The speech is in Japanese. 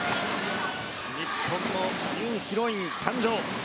日本のニューヒロイン誕生